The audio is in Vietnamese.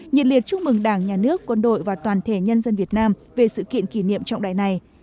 nhiệt liệt chúc mừng đảng nhà nước quân đội và toàn thể nhân dân việt nam về sự kiện kỷ niệm trọng đại này